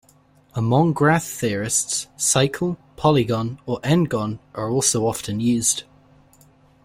Among graph theorists, cycle, polygon, or n-gon are also often used.